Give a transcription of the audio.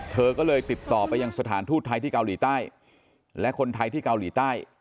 เธอก็เลยติดต่อไปยังสถานทูตไทยที่เกาหลีใต้และคนไทยที่เกาหลีใต้